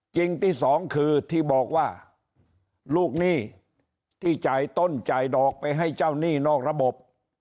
จริงที่สองคือที่บอกว่าลูกหนี้ที่จ่ายต้นจ่ายดอกไปให้เจ้าหนี้นอกระบบ